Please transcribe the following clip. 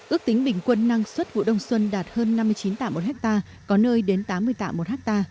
ước tính bình quân năng suất vụ đông xuân đạt hơn năm mươi chín tạ một ha có nơi đến tám mươi tạ một ha